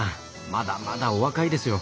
まだまだお若いですよ。